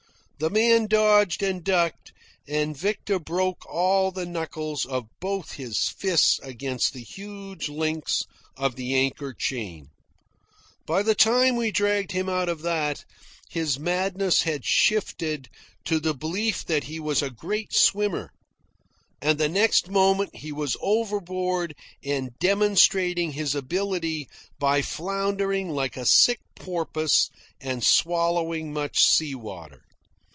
The man dodged and ducked, and Victor broke all the knuckles of both his fists against the huge links of the anchor chain. By the time we dragged him out of that, his madness had shifted to the belief that he was a great swimmer, and the next moment he was overboard and demonstrating his ability by floundering like a sick porpoise and swallowing much salt water.